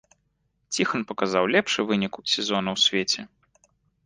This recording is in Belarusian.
Ціхан паказаў лепшы вынік сезона ў свеце.